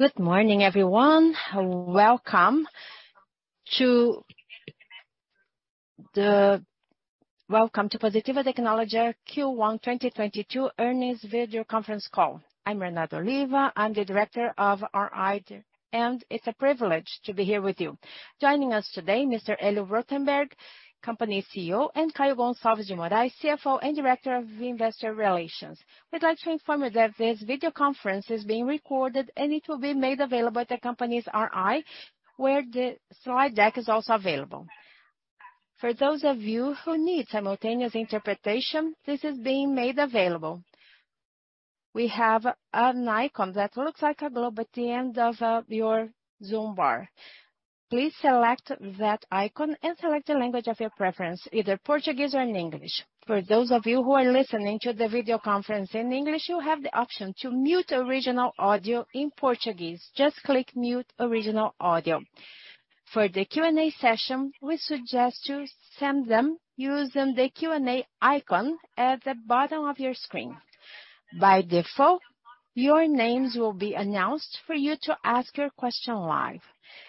Good morning, everyone. Welcome to Positivo Tecnologia Q1 2022 earnings video conference call. I'm Renata Oliva, I'm the director of RI, and it's a privilege to be here with you. Joining us today, Mr. Hélio Rotenberg, company CEO, and Caio Gonçalves de Moraes, CFO and Director of Investor Relations. We'd like to inform you that this video conference is being recorded and it will be made available at the company's RI, where the slide deck is also available. For those of you who need simultaneous interpretation, this is being made available. We have an icon that looks like a globe at the end of your Zoom bar. Please select that icon and select the language of your preference, either Portuguese or in English. For those of you who are listening to the video conference in English, you have the option to mute original audio in Portuguese. Just click Mute Original Audio. For the Q&A session, we suggest you send them using the Q&A icon at the bottom of your screen. By default, your names will be announced for you to ask your question live.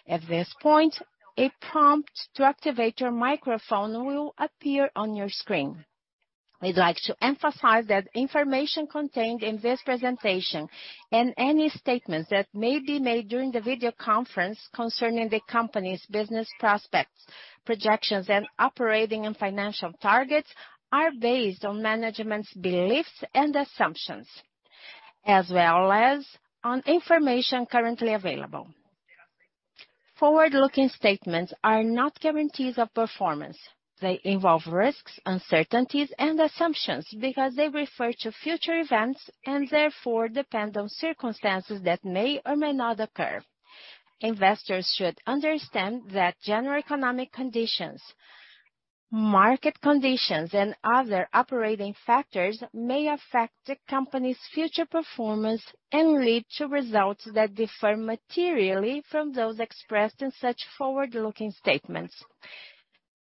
At this point, a prompt to activate your microphone will appear on your screen. We'd like to emphasize that information contained in this presentation and any statements that may be made during the video conference concerning the company's business prospects, projections, and operating and financial targets are based on management's beliefs and assumptions, as well as on information currently available. Forward-looking statements are not guarantees of performance. They involve risks, uncertainties, and assumptions because they refer to future events and therefore depend on circumstances that may or may not occur. Investors should understand that general economic conditions, market conditions, and other operating factors may affect the company's future performance and lead to results that differ materially from those expressed in such forward-looking statements.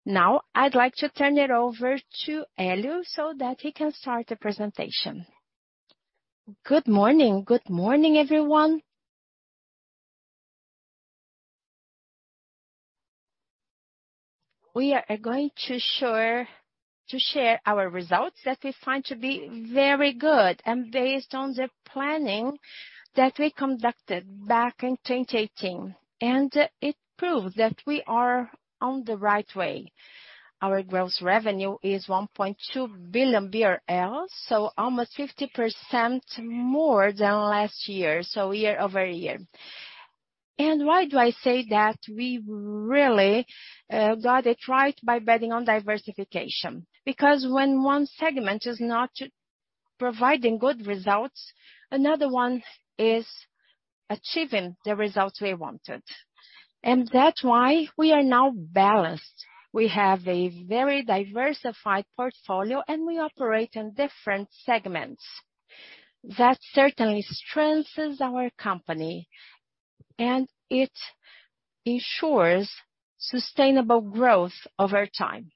Now, I'd like to turn it over to Hélio so that he can start the presentation. Good morning. Good morning, everyone. We are going to share our results that we find to be very good and based on the planning that we conducted back in 2018. It proved that we are on the right way. Our gross revenue is 1.2 billion BRL, so almost 50% more than last year, so year-over-year. Why do I say that we really got it right by betting on diversification? Because when one segment is not providing good results, another one is achieving the results we wanted. That's why we are now balanced. We have a very diversified portfolio, and we operate in different segments. That certainly strengthens our company, and it ensures sustainable growth over time.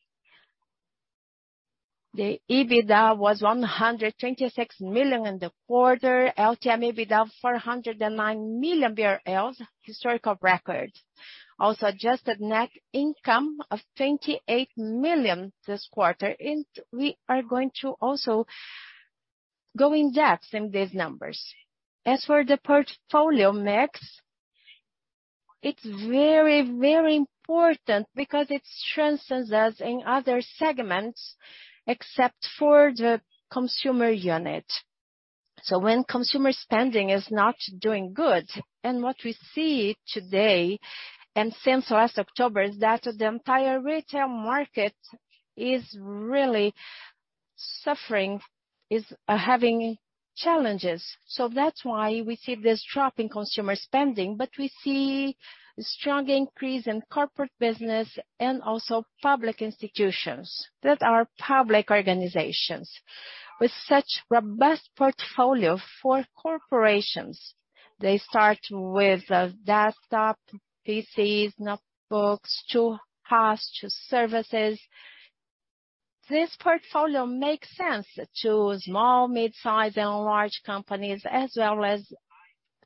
The EBITDA was 126 million in the quarter. LTM EBITDA, 409 million BRL, historical record. Also, adjusted net income of 28 million this quarter. We are going to also go in depth in these numbers. As for the portfolio mix, it's very, very important because it strengthens us in other segments, except for the consumer unit. When consumer spending is not doing good, and what we see today and since last October is that the entire retail market is really suffering, is having challenges. That's why we see this drop in consumer spending. We see strong increase in corporate business and also public institutions that are public organizations. With such robust portfolio for corporations, they start with desktop PCs, notebooks to HaaS, to services. This portfolio makes sense to small, mid-size, and large companies, as well as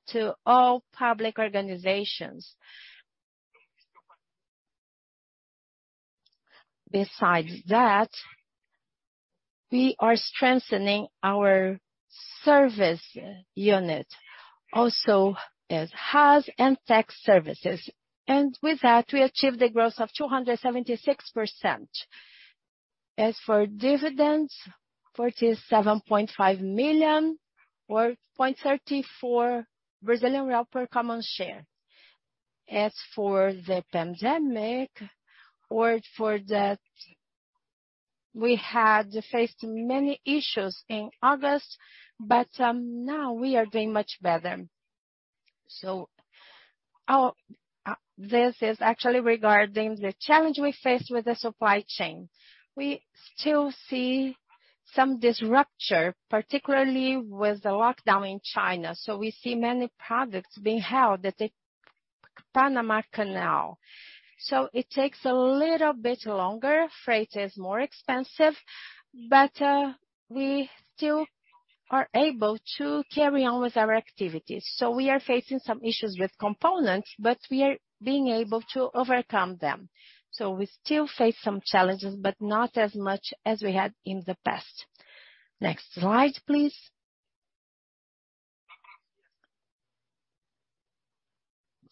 to all public organizations. Besides that, we are strengthening our service unit also as HaaS and tech services. With that, we achieved a growth of 276%. As for dividends, 47.5 million, or 0.34 Brazilian real per common share. As for the pandemic or for that, we had faced many issues in August, but now we are doing much better. This is actually regarding the challenge we faced with the supply chain. We still see some disruption, particularly with the lockdown in China. We see many products being held at the Panama Canal. It takes a little bit longer. Freight is more expensive, but we still are able to carry on with our activities. We are facing some issues with components, but we are being able to overcome them. We still face some challenges, but not as much as we had in the past. Next slide, please.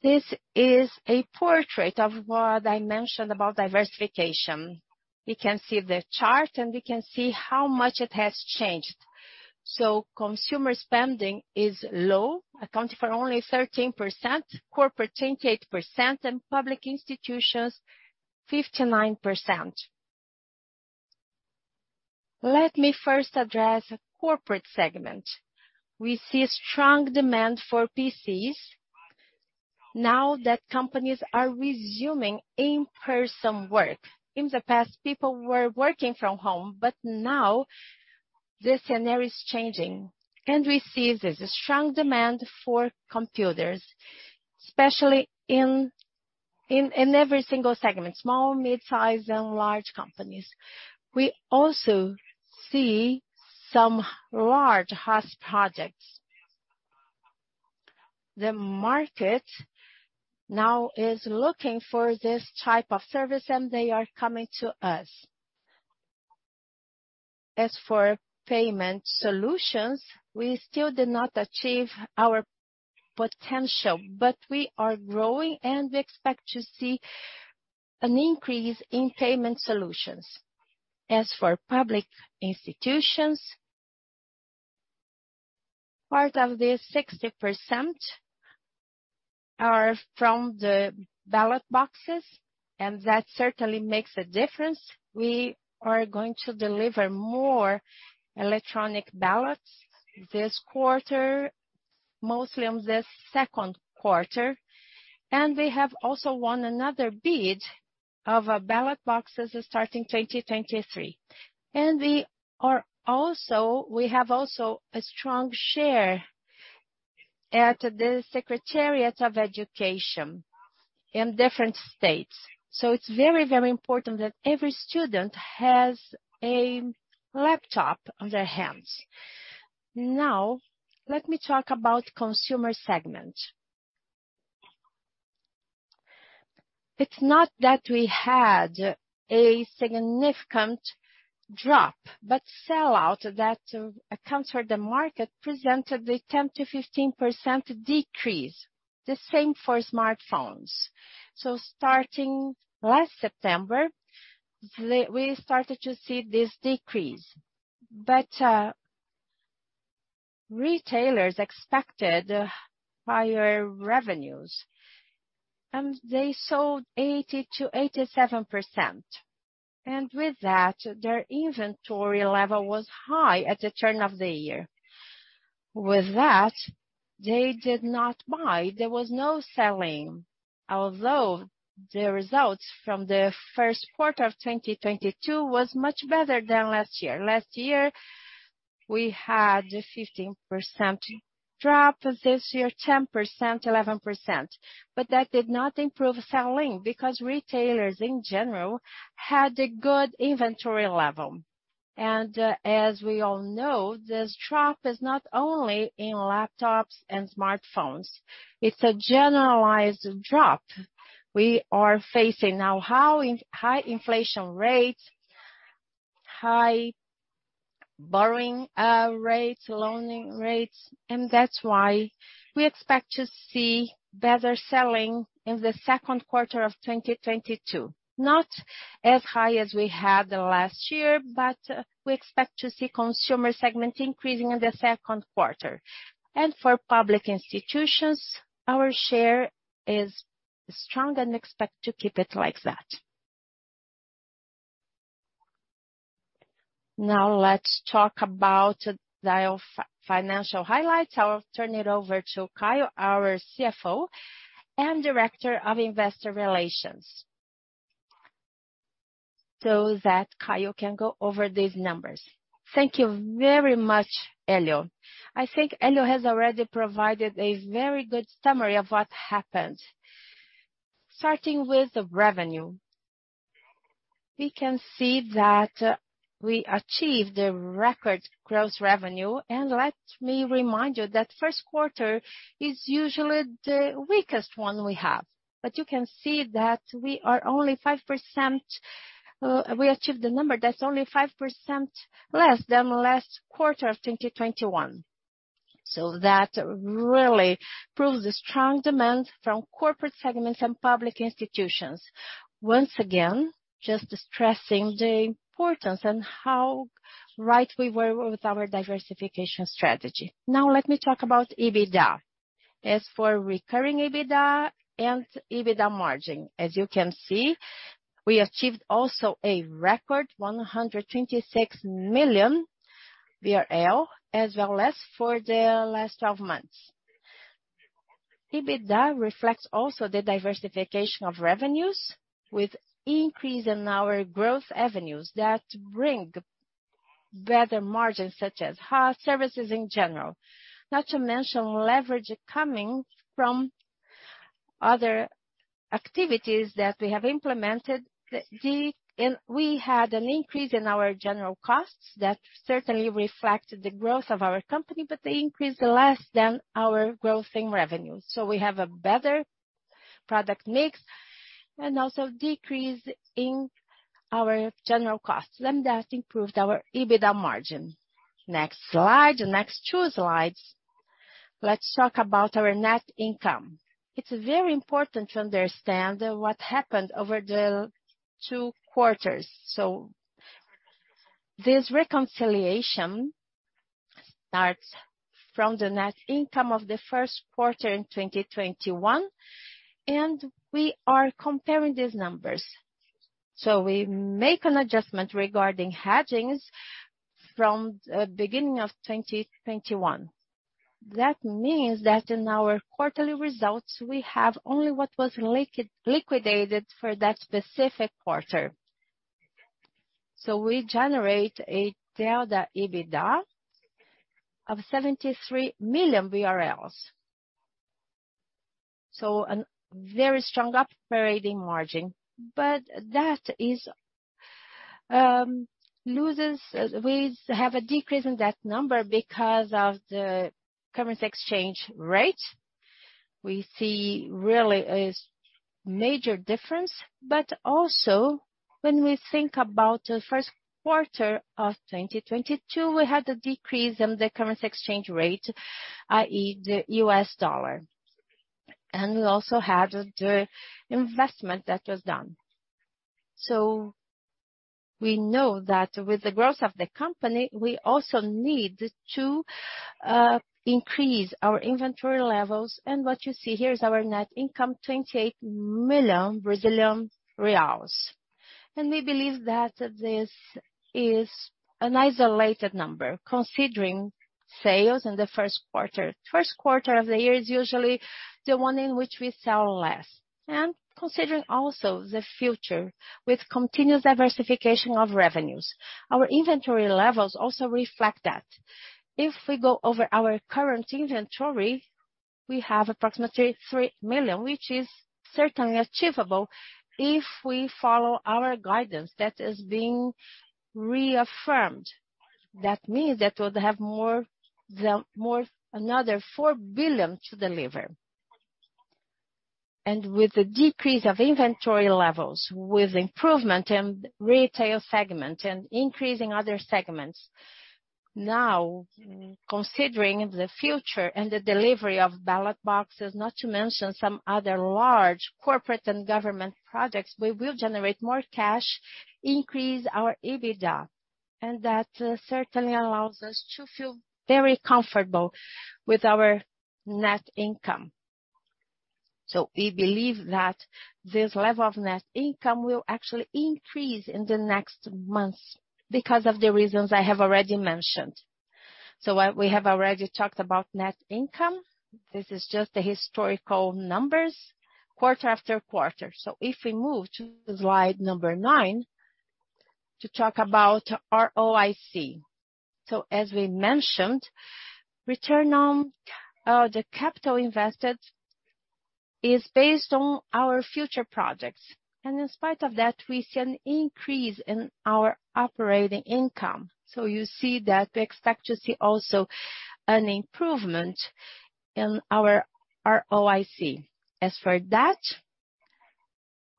This is a portrait of what I mentioned about diversification. We can see the chart, and we can see how much it has changed. Consumer spending is low, accounting for only 13%, corporate 28%, and public institutions 59%. Let me first address the corporate segment. We see a strong demand for PCs now that companies are resuming in-person work. In the past, people were working from home, but now the scenario is changing, and we see there's a strong demand for computers, especially in every single segment, small, midsize, and large companies. We also see some large house projects. The market now is looking for this type of service, and they are coming to us. As for payment solutions, we still did not achieve our potential, but we are growing, and we expect to see an increase in payment solutions. As for public institutions, part of the 60% are from the ballot boxes, and that certainly makes a difference. We are going to deliver more electronic ballots this quarter, mostly on the second quarter, and we have also won another bid of ballot boxes starting 2023. We have also a strong share at the Secretariat of Education in different states. It's very, very important that every student has a laptop on their hands. Now, let me talk about consumer segment. It's not that we had a significant drop, but sell-through that accounts for the market presented a 10%-15% decrease. The same for smartphones. Starting last September, we started to see this decrease. Retailers expected higher revenues, and they sold 80%-87%. With that, their inventory level was high at the turn of the year. With that, they did not buy. There was no selling. Although the results from the first quarter of 2022 was much better than last year. Last year, we had a 15% drop. This year, 10%, 11%. That did not improve selling because retailers in general had a good inventory level. As we all know, this drop is not only in laptops and smartphones. It's a generalized drop. We are facing now high inflation rates, high borrowing rates, lending rates, and that's why we expect to see better sales in the second quarter of 2022. Not as high as we had last year, but we expect to see consumer segment increasing in the second quarter. For public institutions, our share is strong and expect to keep it like that. Now let's talk about financial highlights. I'll turn it over to Caio, our CFO and Director of Investor Relations. That Caio can go over these numbers. Thank you very much, Hélio. I think Hélio has already provided a very good summary of what happened. Starting with the revenue. We can see that we achieved a record gross revenue. Let me remind you that first quarter is usually the weakest one we have. You can see that we are only 5%. We achieved a number that's only 5% less than last quarter of 2021. That really proves the strong demand from corporate segments and public institutions. Once again, just stressing the importance and how right we were with our diversification strategy. Now let me talk about EBITDA. As for recurring EBITDA and EBITDA margin, as you can see, we achieved also a record 126 million as well as for the last twelve months. EBITDA reflects also the diversification of revenues with increase in our growth avenues that bring better margins such as HaaS services in general. Not to mention leverage coming from other activities that we have implemented. We had an increase in our general costs that certainly reflected the growth of our company, but they increased less than our growth in revenue. We have a better product mix and also decrease in our general costs, and that improved our EBITDA margin. Next slide. The next two slides, let's talk about our net income. It's very important to understand what happened over the two quarters. This reconciliation starts from the net income of the first quarter in 2021, and we are comparing these numbers. We make an adjustment regarding hedgings from the beginning of 2021. That means that in our quarterly results, we have only what was liquidated for that specific quarter. We generate a delta EBITDA of BRL 73 million. An very strong operating margin. But that is. We have a decrease in that number because of the currency exchange rate. We see really a major difference. Also when we think about the first quarter of 2022, we had a decrease in the currency exchange rate, i.e. the US dollar. We also had the investment that was done. We know that with the growth of the company, we also need to increase our inventory levels. What you see here is our net income, 28 million Brazilian reais. We believe that this is an isolated number, considering sales in the first quarter. First quarter of the year is usually the one in which we sell less. Considering also the future with continuous diversification of revenues. Our inventory levels also reflect that. If we go over our current inventory, we have approximately 3 million, which is certainly achievable if we follow our guidance that is being reaffirmed. That means that we'll have another BRL 4 billion to deliver. With the decrease of inventory levels, with improvement in retail segment and increase in other segments. Now, considering the future and the delivery of ballot boxes, not to mention some other large corporate and government projects, we will generate more cash, increase our EBITDA, and that certainly allows us to feel very comfortable with our net income. We believe that this level of net income will actually increase in the next months because of the reasons I have already mentioned. We have already talked about net income. This is just the historical numbers quarter after quarter. If we move to slide number nine to talk about ROIC. As we mentioned, return on the capital invested is based on our future projects. In spite of that, we see an increase in our operating income. You see that we expect to see also an improvement in our ROIC. As for that,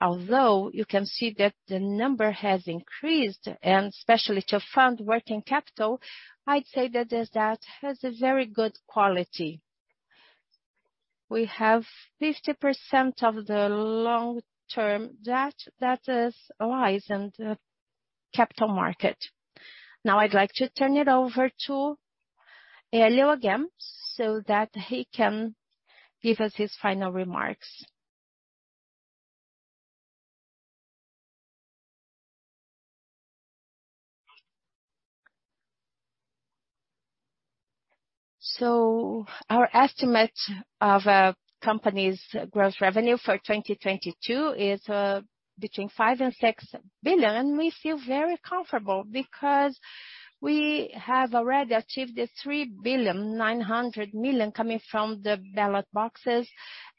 although you can see that the number has increased, and especially to fund working capital, I'd say that the debt has a very good quality. We have 50% of the long-term debt that lies in the capital market. Now, I'd like to turn it over to Hélio again, so that he can give us his final remarks. Our estimate of company's gross revenue for 2022 is between 5 billion and 6 billion. We feel very comfortable because we have already achieved the 3 billion, 900 million coming from the ballot boxes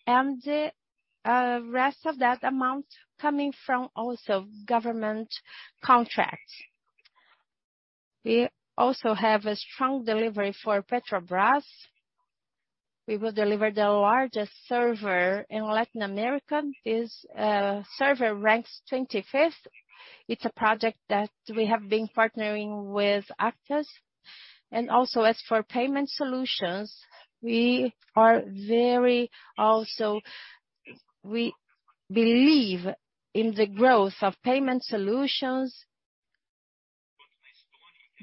and the rest of that amount coming from also government contracts. We also have a strong delivery for Petrobras. We will deliver the largest server in Latin America. This server ranks 25th. It's a project that we have been partnering with Atos. As for payment solutions, we are very also. We believe in the growth of payment solutions,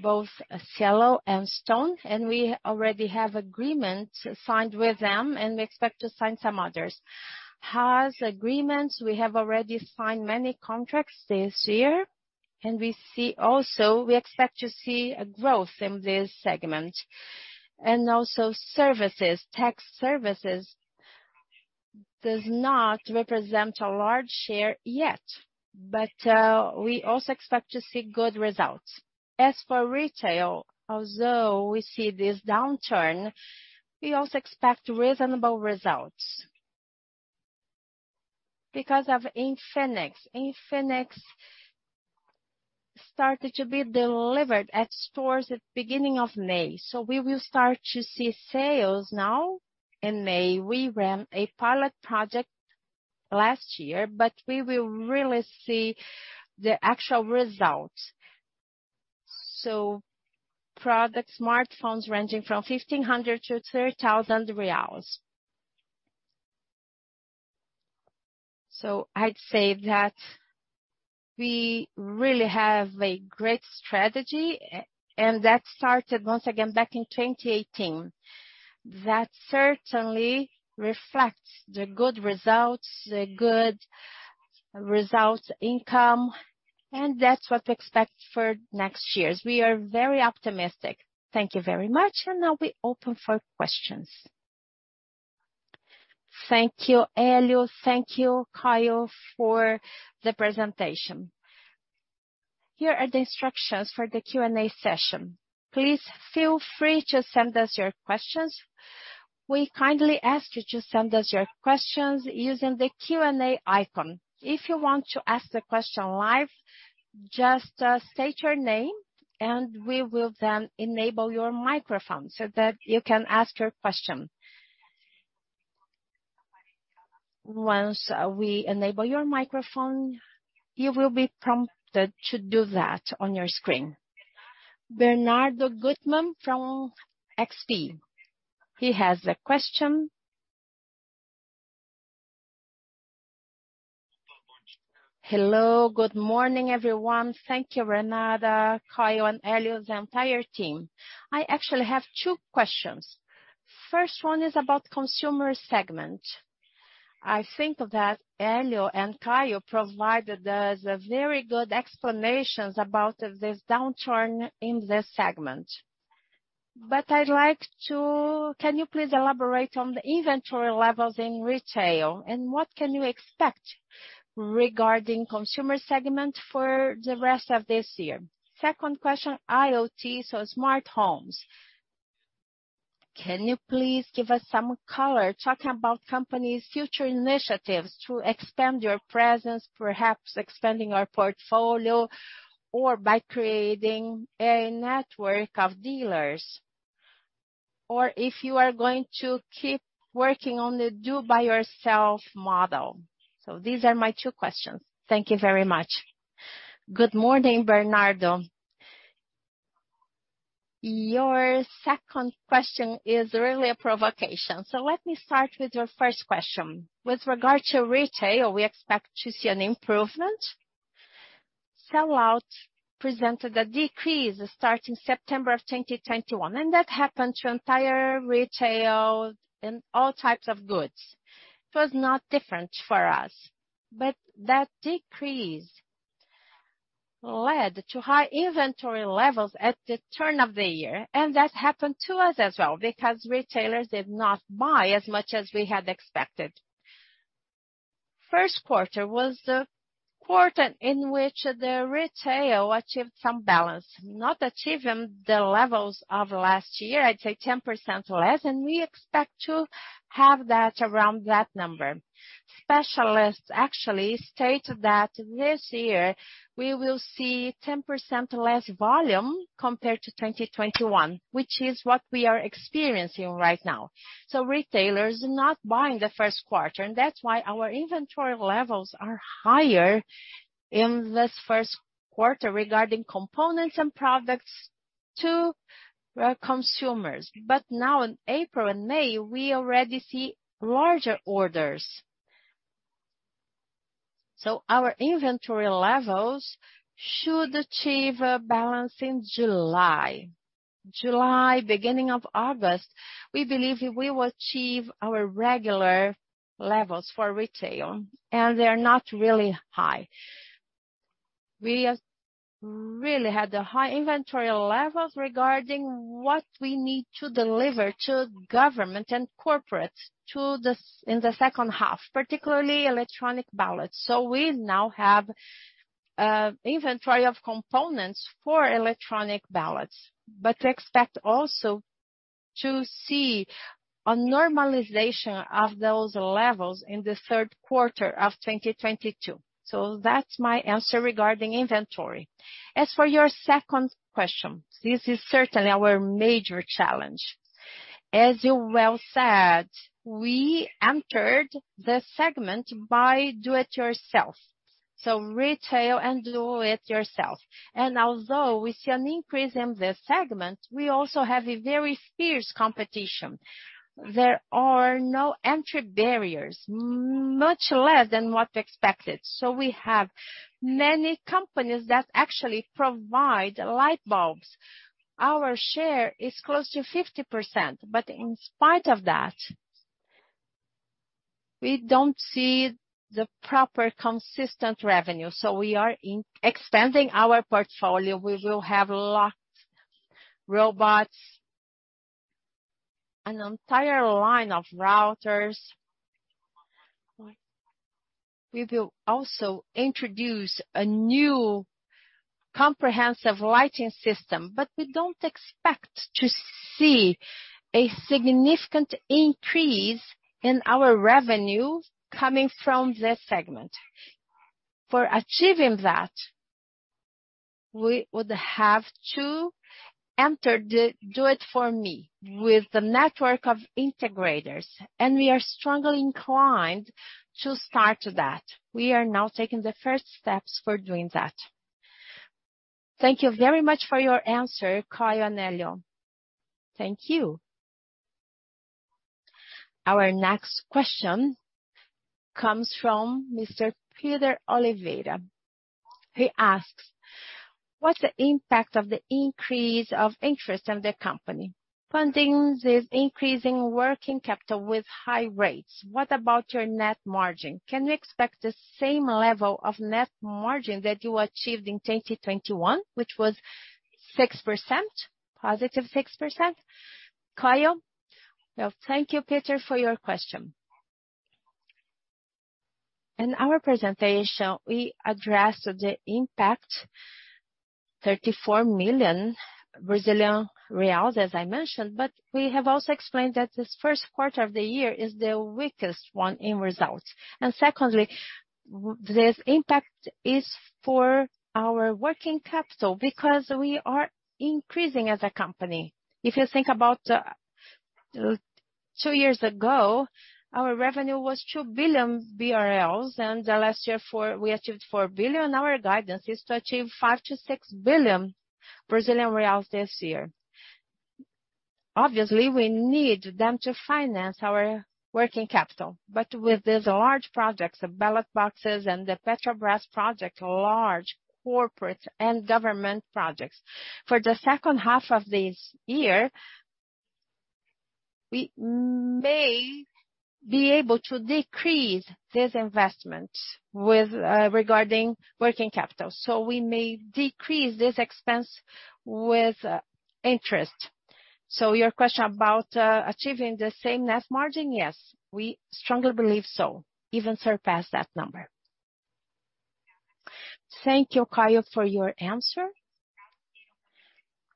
both Cielo and Stone, and we already have agreements signed with them, and we expect to sign some others. HaaS agreements, we have already signed many contracts this year, and we see also. We expect to see a growth in this segment. Services, tech services do not represent a large share yet, but we also expect to see good results. As for retail, although we see this downturn, we also expect reasonable results. Because of Infinix. Infinix started to be delivered at stores at beginning of May, so we will start to see sales now in May. We ran a pilot project last year, but we will really see the actual results. Product smartphones ranging from 1,500-30,000 reais. I'd say that we really have a great strategy, and that started once again back in 2018. That certainly reflects the good results income, and that's what we expect for next years. We are very optimistic. Thank you very much, and now we open for questions. Thank you, Hélio. Thank you, Caio, for the presentation. Here are the instructions for the Q&A session. Please feel free to send us your questions. We kindly ask you to send us your questions using the Q&A icon. If you want to ask the question live, just state your name and we will then enable your microphone so that you can ask your question. Once we enable your microphone, you will be prompted to do that on your screen. Bernardo Guttmann from XP. He has a question. Hello, good morning, everyone. Thank you, Renata, Caio, and Helio, the entire team. I actually have two questions. First one is about consumer segment. I think that Helio and Caio provided us a very good explanations about this downturn in this segment. I'd like to can you please elaborate on the inventory levels in retail. What can you expect regarding consumer segment for the rest of this year. Second question, IoT, so smart homes. Can you please give us some color talking about company's future initiatives to expand your presence, perhaps expanding our portfolio or by creating a network of dealers, or if you are going to keep working on the do-it-yourself model. These are my two questions. Thank you very much. Good morning, Bernardo. Your second question is really a provocation. Let me start with your first question. With regard to retail, we expect to see an improvement. Sell-out presented a decrease starting September of 2021, and that happened to entire retail and all types of goods. It was not different for us. That decrease led to high inventory levels at the turn of the year, and that happened to us as well because retailers did not buy as much as we had expected. First quarter was the quarter in which the retail achieved some balance, not achieving the levels of last year, take 10% less, and we expect to have that around that number. Specialists actually state that this year we will see 10% less volume compared to 2021, which is what we are experiencing right now. Retailers are not buying the first quarter, and that's why our inventory levels are higher in this first quarter regarding components and products to consumers. Now in April and May, we already see larger orders. Our inventory levels should achieve a balance in July, beginning of August. We believe we will achieve our regular levels for retail, and they are not really high. We have really had the high inventory levels regarding what we need to deliver to government and corporates in the second half, particularly electronic ballots. We now have inventory of components for electronic ballots, but we expect also to see a normalization of those levels in the third quarter of 2022. That's my answer regarding inventory. As for your second question, this is certainly our major challenge. As you well said, we entered the segment by do it yourself. Retail and do it yourself. Although we see an increase in this segment, we also have a very fierce competition. There are no entry barriers, much less than what we expected. We have many companies that actually provide light bulbs. Our share is close to 50%. In spite of that, we don't see the proper consistent revenue. We are expanding our portfolio. We will have lots of robots. An entire line of routers. We will also introduce a new comprehensive lighting system, but we don't expect to see a significant increase in our revenue coming from this segment. For achieving that, we would have to enter the do it for me with the network of integrators, and we are strongly inclined to start that. We are now taking the first steps for doing that. Thank you very much for your answer, Caio and Helio. Thank you. Our next question comes from Mr. Peter Oliveira. He asks, what's the impact of the increase of interest in the company? Funding is increasing working capital with high rates. What about your net margin? Can you expect the same level of net margin that you achieved in 2021, which was 6%, +6%? Caio. Well, thank you, Peter, for your question. In our presentation, we addressed the impact, 34 million Brazilian reais, as I mentioned, but we have also explained that this first quarter of the year is the weakest one in results. Secondly, this impact is for our working capital because we are increasing as a company. If you think about two years ago, our revenue was 2 billion BRL, and last year we achieved 4 billion. Our guidance is to achieve 5 billion-6 billion Brazilian reais this year. Obviously, we need them to finance our working capital. With these large projects, the ballot boxes and the Petrobras project, large corporate and government projects. For the second half of this year, we may be able to decrease this investment regarding working capital. We may decrease this expense with interest. Your question about achieving the same net margin, yes, we strongly believe so, even surpass that number. Thank you, Caio, for your answer.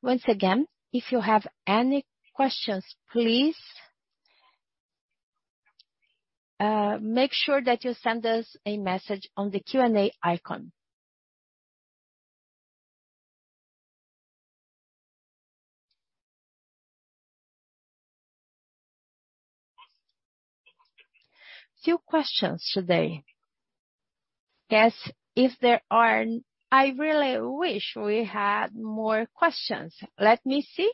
Once again, if you have any questions, please make sure that you send us a message on the Q&A icon. Few questions today. Yes, if there are. I really wish we had more questions. Let me see.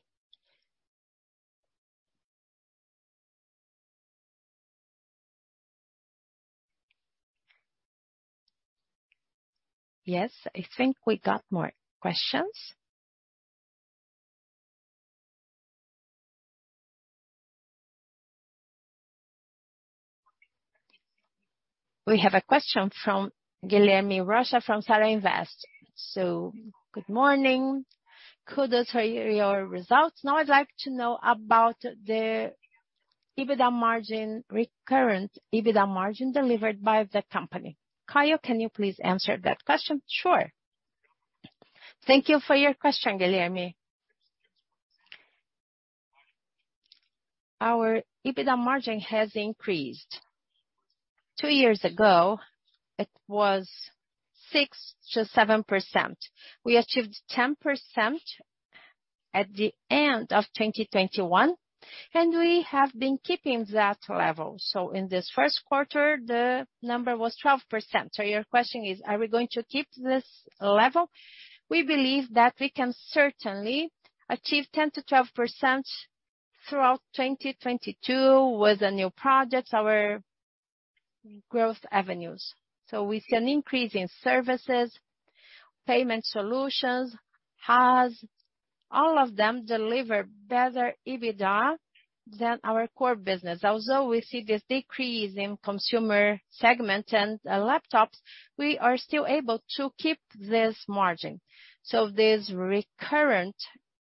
Yes, I think we got more questions. We have a question from Guilherme Rocha from Safra Invest. Good morning. Kudos for your results. Now, I'd like to know about the EBITDA margin, recurrent EBITDA margin delivered by the company. Caio, can you please answer that question? Sure. Thank you for your question, Guilherme. Our EBITDA margin has increased. Two years ago, it was 6%-7%. We achieved 10% at the end of 2021, and we have been keeping that level. In this first quarter, the number was 12%. Your question is, are we going to keep this level? We believe that we can certainly achieve 10%-12% throughout 2022 with the new projects, our growth avenues. We see an increase in services, payment solutions, all of them deliver better EBITDA than our core business. Although we see this decrease in consumer segment and laptops, we are still able to keep this margin. This recurrent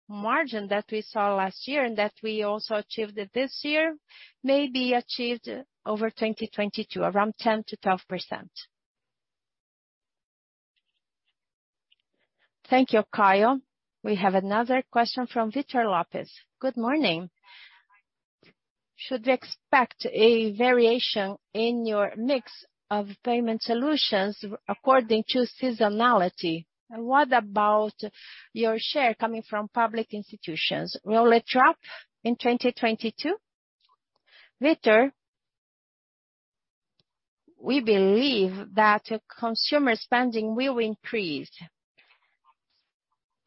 margin that we saw last year and that we also achieved this year may be achieved over 2022, around 10%-12%. Thank you, Caio. We have another question from Victor Lopes. Good morning. Should we expect a variation in your mix of payment solutions according to seasonality? And what about your share coming from public institutions? Will it drop in 2022? Victor, we believe that consumer spending will increase.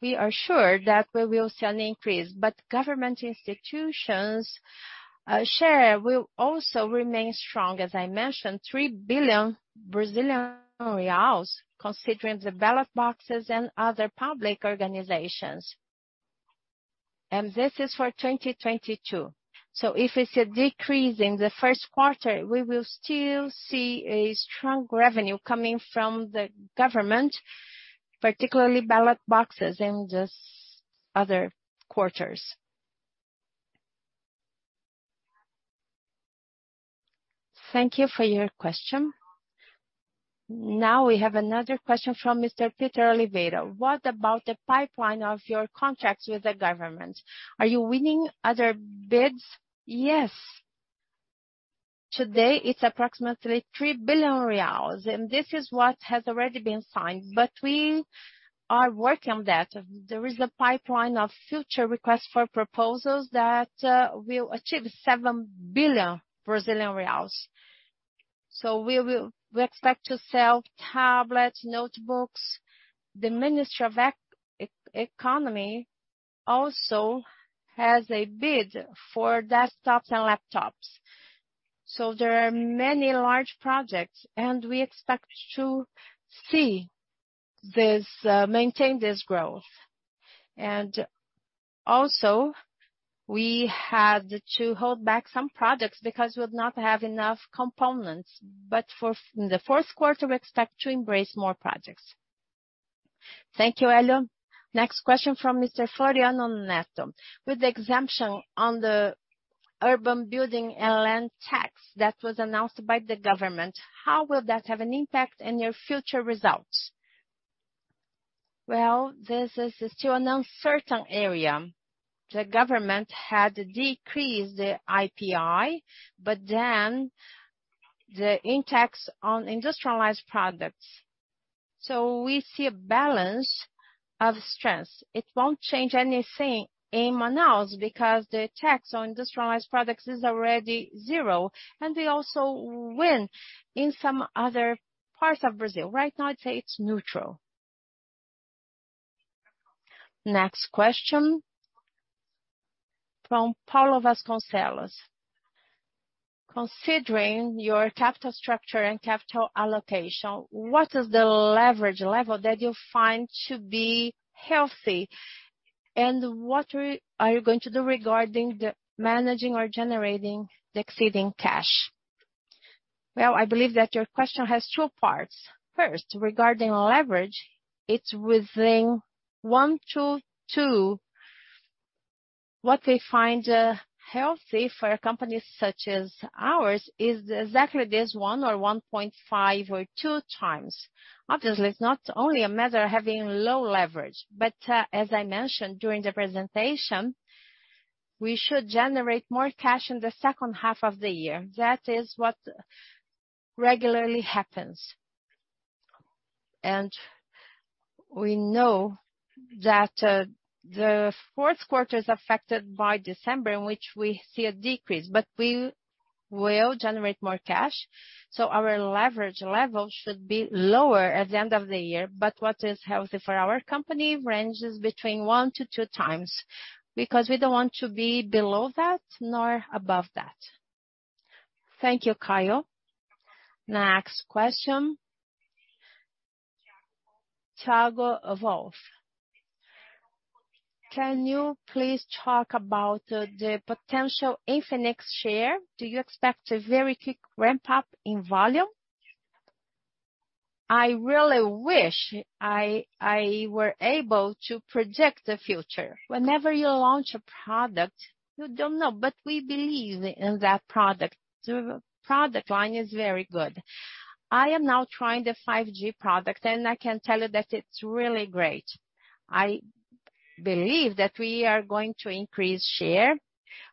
We are sure that we will see an increase, but government institutions, share will also remain strong. As I mentioned, 3 billion Brazilian reais, considering the ballot boxes and other public organizations. This is for 2022. If it's a decrease in the first quarter, we will still see a strong revenue coming from the government, particularly ballot boxes in these other quarters. Thank you for your question. Now we have another question from Mr. Peter Oliveira. What about the pipeline of your contracts with the government? Are you winning other bids? Yes. Today, it's approximately 3 billion reais, and this is what has already been signed. We are working on that. There is a pipeline of future requests for proposals that will achieve 7 billion Brazilian reais. We expect to sell tablets, notebooks. The Ministry of Economy also has a bid for desktops and laptops. There are many large projects, and we expect to see this maintain this growth. Also, we had to hold back some products because we would not have enough components. In the fourth quarter, we expect to embrace more projects. Thank you, Hélio. Next question from Mr. Floriano Neto. With the exemption on the urban building and land tax that was announced by the government, how will that have an impact in your future results? Well, this is still an uncertain area. The government had decreased the IPI, but then the IPI tax on industrialized products. We see a balance of sorts. It won't change anything in Manaus because the tax on industrialized products is already zero, and we also win in some other parts of Brazil. Right now, I'd say it's neutral. Next question from Paulo Vasconcelos. Considering your capital structure and capital allocation, what is the leverage level that you find to be healthy? What are you going to do regarding the managing or generating the excess cash? Well, I believe that your question has two parts. First, regarding leverage, it's within one to two. What we find healthy for companies such as ours is exactly this one or 1.5 or 2x. Obviously, it's not only a matter of having low leverage, but as I mentioned during the presentation, we should generate more cash in the second half of the year. That is what regularly happens. We know that the fourth quarter is affected by December, in which we see a decrease, but we will generate more cash, so our leverage level should be lower at the end of the year. What is healthy for our company ranges between 1x-2x, because we don't want to be below that nor above that. Thank you, Caio. Next question. Tiago Wolf. Can you please talk about the potential Infinix share? Do you expect a very quick ramp up in volume? I really wish I were able to predict the future. Whenever you launch a product, you don't know. We believe in that product. The product line is very good. I am now trying the 5G product, and I can tell you that it's really great. I believe that we are going to increase share.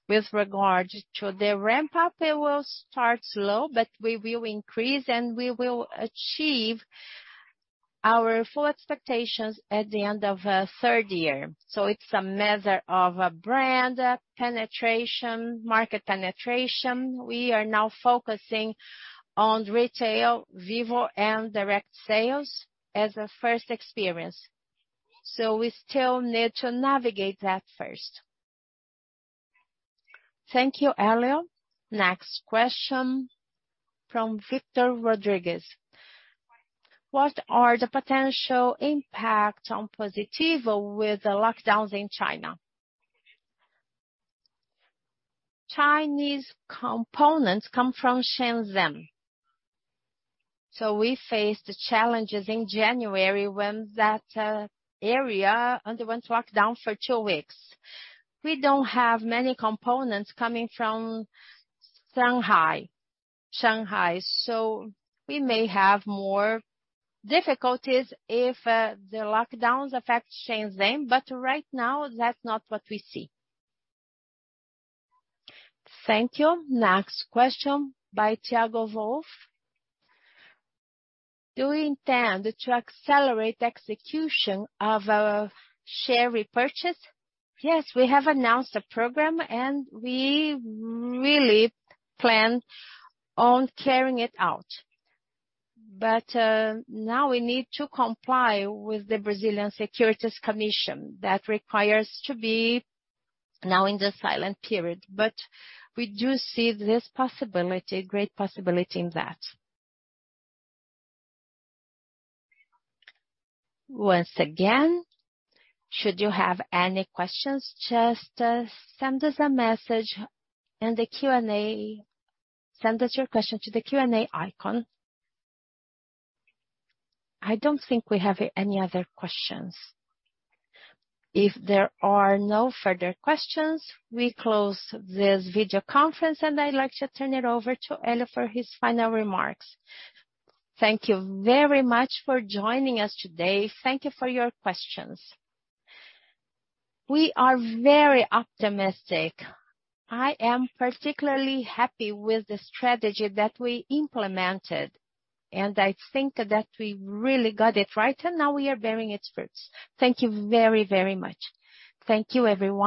With regard to the ramp up, it will start slow, but we will increase, and we will achieve our full expectations at the end of third year. It's a matter of brand penetration, market penetration. We are now focusing on retail, Vivo, and direct sales as a first experience. We still need to navigate that first. Thank you, Hélio. Next question from Victor Rodriguez. What are the potential impact on Positivo with the lockdowns in China? Chinese components come from Shenzhen. We faced the challenges in January when that area underwent lockdown for two weeks. We don't have many components coming from Shanghai, so we may have more difficulties if the lockdowns affect Shenzhen, but right now, that's not what we see. Thank you. Next question by Tiago Wolf. Do you intend to accelerate execution of share repurchase? Yes, we have announced a program, and we really plan on carrying it out. Now we need to comply with the Brazilian Securities Commission that requires to be now in the silent period. We do see this possibility, great possibility in that. Once again, should you have any questions, just send us a message in the Q&A. Send us your question to the Q&A icon. I don't think we have any other questions. If there are no further questions, we close this video conference, and I'd like to turn it over to Hélio for his final remarks. Thank you very much for joining us today. Thank you for your questions. We are very optimistic. I am particularly happy with the strategy that we implemented, and I think that we really got it right, and now we are bearing its fruits. Thank you very, very much. Thank you, everyone.